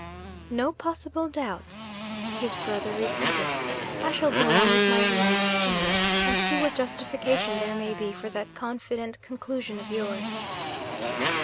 'No possible doubt?' his brother repeated. 'I shall go on with my reading, Henry and see what justification there may be for that confident conclusion of yours.'